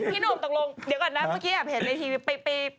พี่หนุ่มตกลงเดี๋ยวก่อนนะเมื่อกี้แอบเห็นในทีวี